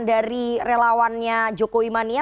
dari relawannya joko imania